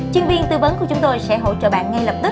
chuyên viên tư vấn của chúng tôi sẽ hỗ trợ bạn ngay lập tức